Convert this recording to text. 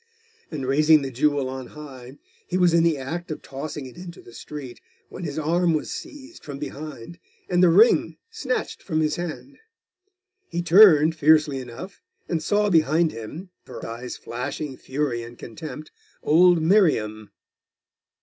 And raising the jewel on high, he was in the act of tossing it into the street, when his arm was seized from behind, and the ring snatched from his hand. He turned, fiercely enough, and saw behind him, her eyes flashing fury and contempt, old Miriam.